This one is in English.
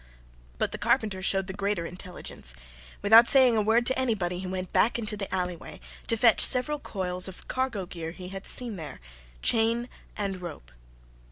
But the carpenter showed the greater intelligence. Without saying a word to anybody he went back into the alleyway, to fetch several coils of cargo gear he had seen there chain and rope.